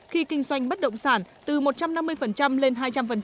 khi kinh doanh bất động sản từ một trăm năm mươi lên hai trăm linh